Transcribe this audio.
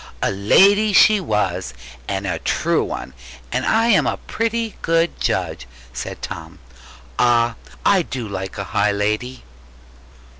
'A lady she was, and a true one; and I am a pretty good judge,' said Tom: 'ah, I do like a high lady!'